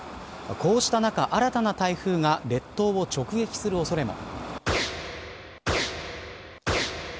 こうした中、新たな台風が列島を直撃する恐れも。